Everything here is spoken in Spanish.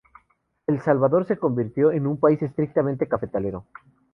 El Salvador se convirtió en un país estrictamente cafetalero.